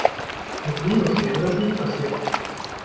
Mit Linux wäre das nicht passiert!